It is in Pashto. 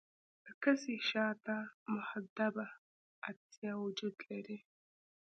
د کسي شاته محدبه عدسیه وجود لري.